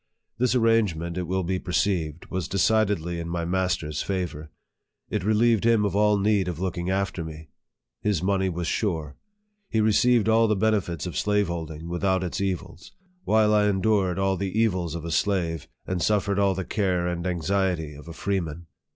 This arrangement, it will be perceived, was decidedly in my master's favor. It relieved him of all need of looking after me. His money was sure. He received all the benefits of slaveholding without its evils ; while I endured all the evils of a slave, and suffered all the care and anxiety of a freeman.